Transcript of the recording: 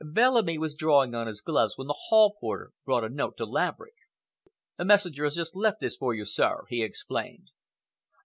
Bellamy was drawing on his gloves when the hall porter brought a note to Laverick. "A messenger has just left this for you, sir," he explained.